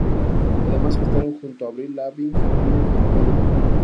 Además, presentaron junto a Avril Lavigne el premio al vídeo del año.